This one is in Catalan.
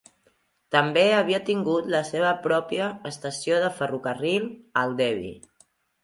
També havia tingut la seva pròpia estació de ferrocarril Aldeby.